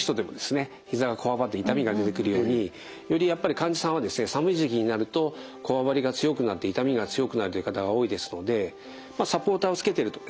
ひざがこわばって痛みが出てくるようによりやっぱり患者さんはですね寒い時期になるとこわばりが強くなって痛みが強くなるという方が多いですのでサポーターをつけてるとですね